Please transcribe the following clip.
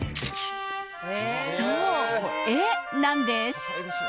そう、絵なんです。